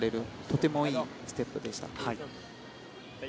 とてもいいステップでした。